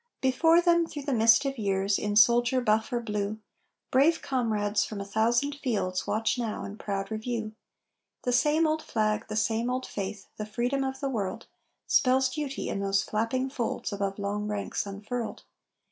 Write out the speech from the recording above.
Before them, through a mist of years, in soldier buff or blue, Brave comrades from a thousand fields watch now in proud review; The same old Flag, the same old Faith the Freedom of the World Spells Duty in those flapping folds above long ranks unfurled.